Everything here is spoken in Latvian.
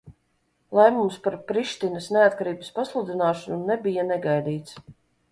Lēmums par Prištinas neatkarības pasludināšanu nebija negaidīts.